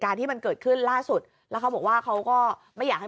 ที่มันเกิดขึ้นล่าสุดแล้วเขาบอกว่าเขาก็ไม่อยากให้